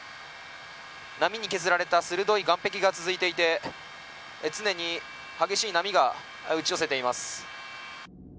波に削られた鋭い岸壁が続いていて常に激しい波が打ち寄せています。